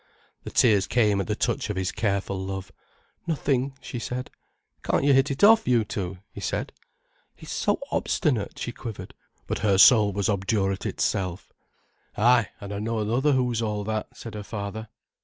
The tears came at the touch of his careful love. "Nothing," she said. "Can't you hit it off, you two?" he said. "He's so obstinate," she quivered; but her soul was obdurate itself. "Ay, an' I know another who's all that," said her father.